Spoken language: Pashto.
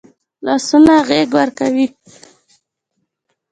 لاسونه غېږ ورکوي